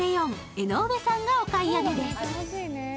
江上さんがお買い上げです。